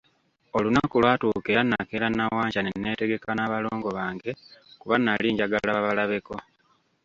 Olunaku lwatuuka era nakeera nawankya ne neetegeka n'abalongo bange, kuba nali njagala babalabeko.